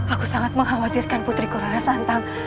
aku sangat mengkhawatirkan putri corona santang